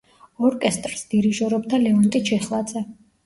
ორკესტრს დირიჟორობდა ლეონტი ჩიხლაძე.